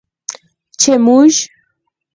چې موږ